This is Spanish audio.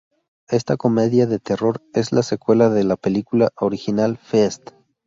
Esta comedia de terror es la secuela de la película original Feast.